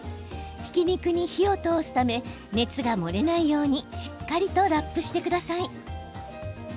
ひき肉に火を通すため熱が漏れないようにしっかりとラップしてください。